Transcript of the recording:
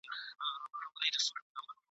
ستا پر تور تندي لیکلي کرښي وايي ,